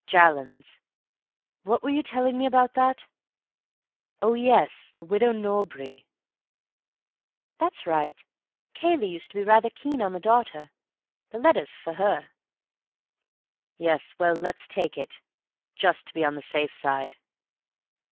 "Jallands. What were you telling me about that? Oh, yes; the Widow Norbury." "That's right. Cayley used to be rather keen on the daughter. The letter's for her." "Yes; well, let's take it. Just to be on the safe side."